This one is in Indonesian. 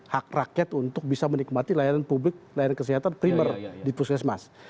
hak rakyat untuk bisa menikmati layanan publik layanan kesehatan primer di puskesmas